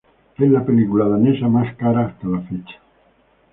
Es la película danesa más cara hasta la fecha